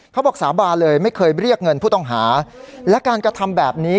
สาบานเลยไม่เคยเรียกเงินผู้ต้องหาและการกระทำแบบนี้